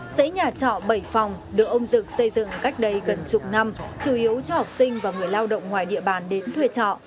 xây nhà trọ bảy phòng được ông dực xây dựng cách đây gần chục năm chủ yếu cho học sinh và người lao động ngoài địa bàn đến thuê trọ